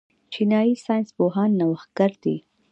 چینايي ساینس پوهان نوښتګر دي.